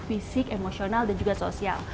fisik emosional dan juga sosial